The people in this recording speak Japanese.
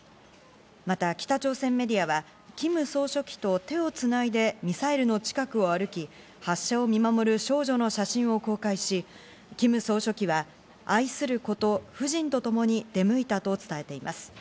また北朝鮮メディアはキム総書記と手をつないでミサイルの近くを歩き、発射を見守る少女の写真を公開し、キム総書記は愛する子と夫人とともに出向いたと伝えています。